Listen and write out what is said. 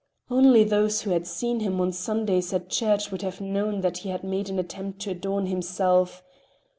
Only those who had seen him on Sundays at church would have known that he had made an attempt to adorn himself.